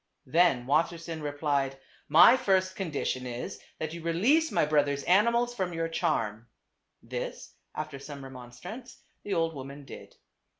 Then Wassersein replied, " My first condition is, that you release my brother's animals from your charm." This, after some remonstrance, the old woman did.